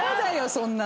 そんなの。